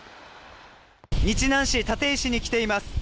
日南市立石に来ています。